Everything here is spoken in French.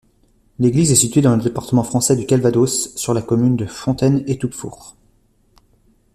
L'église est située dans le département français du Calvados, sur la commune de Fontaine-Étoupefour.